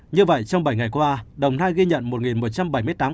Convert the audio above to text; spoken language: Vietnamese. như vậy trong bảy ngày qua đồng nai ghi nhận một một trăm bảy mươi tám ca